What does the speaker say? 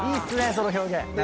その表現。